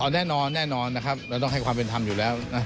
แน่นอนแน่นอนนะครับเราต้องให้ความเป็นธรรมอยู่แล้วนะ